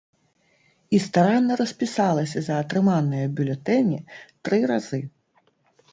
І старанна распісалася за атрыманыя бюлетэні тры разы.